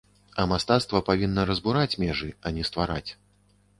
А мастацтва павінна разбураць межы, а не ствараць.